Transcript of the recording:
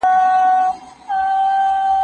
زه د کتابتون لپاره کار کړي دي؟!